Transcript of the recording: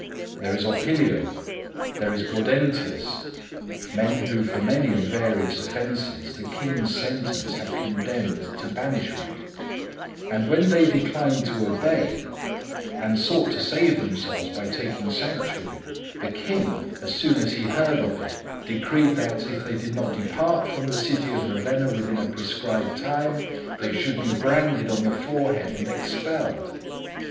There is Opilio, there is Gaudentius, men who for many and various offences the king's sentence had condemned to banishment; and when they declined to obey, and sought to save themselves by taking sanctuary, the king, as soon as he heard of it, decreed that, if they did not depart from the city of Ravenna within a prescribed time, they should be branded on the forehead and expelled.